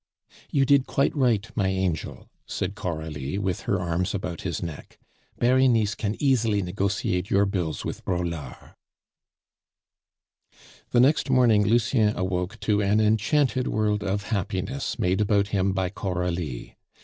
"You did quite right, my angel," said Coralie, with her arms about his neck. "Berenice can easily negotiate your bills with Braulard." The next morning Lucien awoke to an enchanted world of happiness made about him by Coralie.